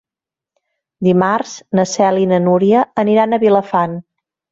Dimarts na Cel i na Nura aniran a Vilafant.